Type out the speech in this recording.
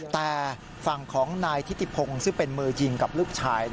แต่ฝั่งของนายทิติพงศ์ซึ่งเป็นมือยิงกับลูกชาย